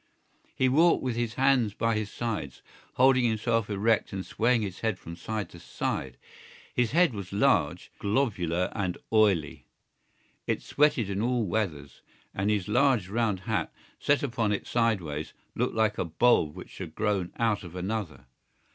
He walked with his hands by his sides, holding himself erect and swaying his head from side to side. His head was large, globular and oily; it sweated in all weathers; and his large round hat, set upon it sideways, looked like a bulb which had grown out of another.